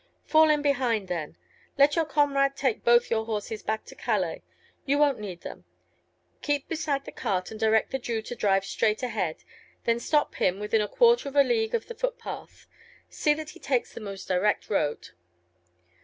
"Fall in behind then. Let your comrade take both your horses back to Calais. You won't want them. Keep beside the cart, and direct the Jew to drive straight ahead; then stop him, within a quarter of a league of the footpath; see that he takes the most direct road."